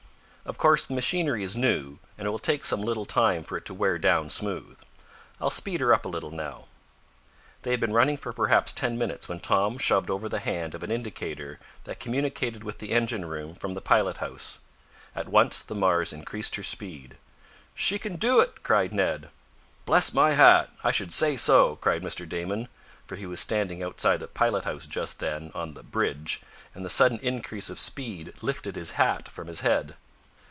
"Of course the machinery is new, and it will take some little time for it to wear down smooth. I'll speed her up a little now." They had been running for perhaps ten minutes when Tom shoved over the hand of an indicator that communicated with the engine room from the pilot house. At once the Mars increased her speed. "She can do it!" cried Ned. "Bless my hat! I should say so!" cried Mr. Damon, for he was standing outside the pilot house just then, on the "bridge," and the sudden increase of speed lifted his hat from his head.